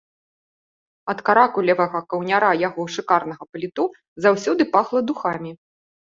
Ад каракулевага каўняра яго шыкарнага паліто заўсёды пахла духамі.